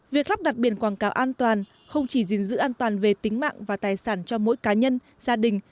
việc lắp đặt biển quảng cáo an toàn không chỉ gìn giữ an toàn về tính mạng và tài sản cho mỗi cá nhân gia đình